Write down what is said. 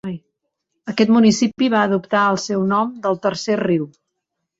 Aquest municipi va adoptar el seu nom del Tercer Riu.